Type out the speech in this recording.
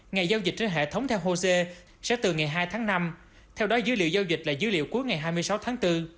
ngày giao dịch trên hệ thống theo hồ sê sẽ từ ngày hai tháng năm theo đó dữ liệu giao dịch là dữ liệu cuối ngày hai mươi sáu tháng bốn